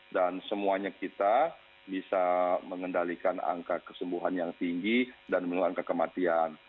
dan semuanya kita bisa mengendalikan angka kesembuhan yang tinggi dan menurunkan kematian